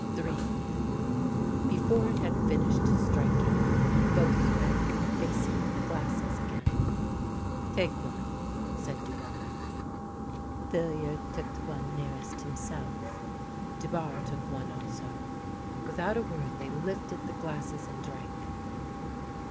three " Before it had finished striking both men were facing the glasses again. " Take one," said Dubarre. 280 THE LANE THAT HAD NO TURNING Villiard took the one nearest himself. Dubarre took one also. Without a word they lifted the glasses and drank.